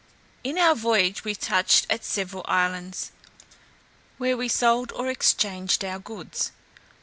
In our voyage we touched at several islands, where we sold or exchanged our goods.